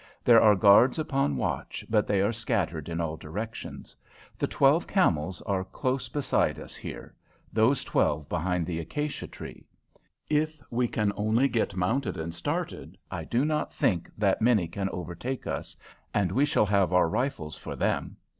There are guards upon watch, but they are scattered in all directions. The twelve camels are close beside us here, those twelve behind the acacia tree. If we can only get mounted and started, I do not think that many can overtake us, and we shall have our rifles for them.